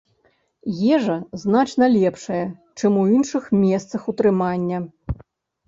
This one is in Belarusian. Ежа значна лепшая, чым у іншых месцах утрымання.